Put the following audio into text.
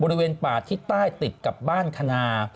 บริเวณป่าที่ใต้ติดกับบ้านคณา